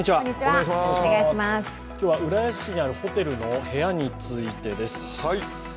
今日は浦安市にあるホテルの部屋についてです。